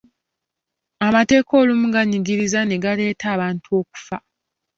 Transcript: Amateeka olumu ganyigiriza ne galeetera abantu okufa.